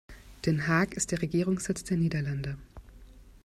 Den Haag ist der Regierungssitz der Niederlande.